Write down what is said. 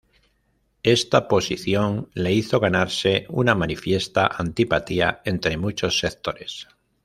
Esta posición le hizo ganarse una manifiesta antipatía entre muchos sectores.